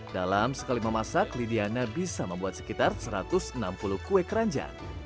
dalam sekali memasak lidiana bisa membuat sekitar satu ratus enam puluh kue keranjang